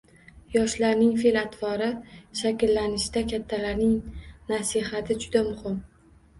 Yoshlarning fe’l- atvori shakllanishida kattalarning nasihati juda muhim.